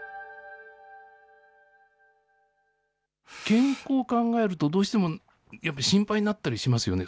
健康を考えると、どうしてもやっぱり心配になったりしますよね。